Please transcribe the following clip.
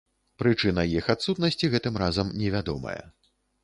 Прычына іх адсутнасці гэтым разам невядомая.